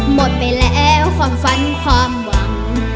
หมดไปแล้วความฝันความหวัง